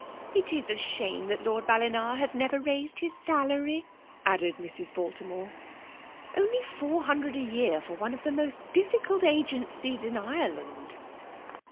'''' It is a shame that Lord Ballina has never raised his salary," added Mrs. Baltimore. " Only four hundred a year for one of the most difficult agencies in Ireland